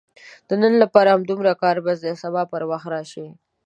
د نن لپاره همدومره کار بس دی، سبا پر وخت راشئ!